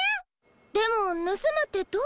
でもぬすむってどうやって？